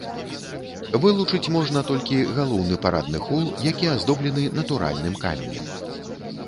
Вылучыць можна толькі галоўны парадны хол, які аздоблены натуральным каменем.